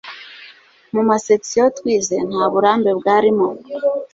Mu ma sections twize, nta burambe bwarimo